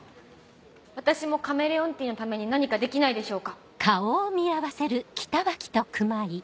私もカメレオンティーのために何かできないでしょうか。